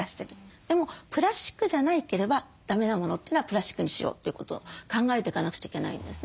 でもプラスチックじゃなければだめなものというのはプラスチックにしようってことを考えていかなくちゃいけないんですね。